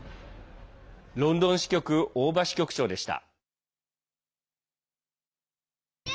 ロンドン支局大庭支局長でした。